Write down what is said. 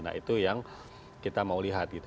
nah itu yang kita mau lihat gitu